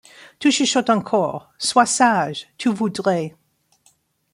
Tu chuchotes encor : Sois sage ! Tu voudrais